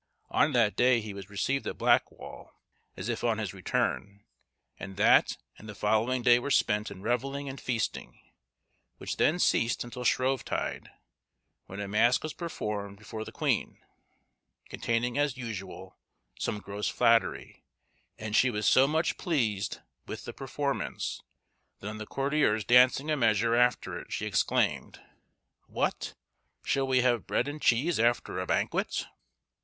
On that day he was received at Blackwall, as if on his return, and that and the following day were spent in revelling and feasting, which then ceased until Shrovetide, when a mask was performed before the queen, containing, as usual, some gross flattery, and she was so much pleased with the performance, that on the courtiers dancing a measure after it, she exclaimed, "What! shall we have bread and cheese after a banquet."